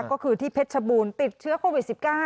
ก็คือที่เพชรชบูรณ์ติดเชื้อโควิด๑๙